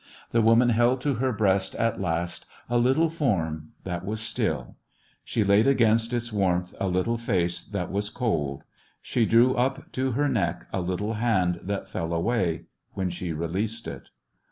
The woman held to her breast at last a little form that was still; she laid against its warmth a little face that was cold; she drew up to her neck a little hand that fell away when she released it.